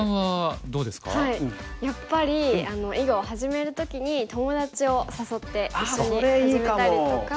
やっぱり囲碁を始める時に友達を誘って一緒に始めたりとか。